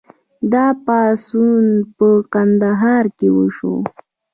دا پاڅون په کندهار کې وشو.